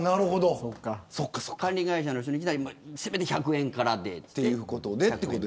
管理会社の人にせめて１００円からでということで。